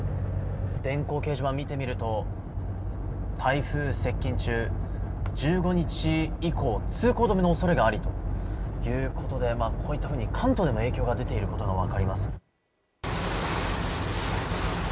電光掲示板を見てみると、台風接近中、１５日以降、通行止めの恐れがありということで、こういったふうに関東でも影響が出ていることがわかります。